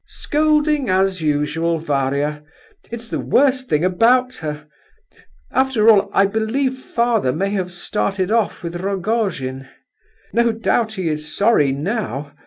"Scolding as usual, Varia! It is the worst thing about her. After all, I believe father may have started off with Rogojin. No doubt he is sorry now.